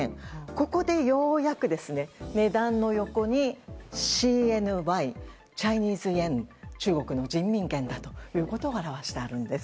ここで、ようやく値段の横に、ＣＮＹチャイニーズ円中国の人民元だということを表しているんです。